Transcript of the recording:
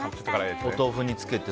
お豆腐につけて。